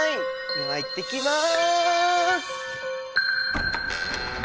では行ってきます！